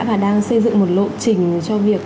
và đang xây dựng một lộ trình cho việc